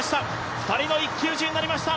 ２人の一騎打ちになりました。